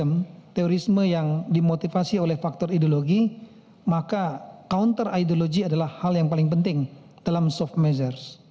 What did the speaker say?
kalau kita menggunakan teori yang dimotivasi oleh faktor ideologi maka counter ideology adalah hal yang paling penting dalam soft measures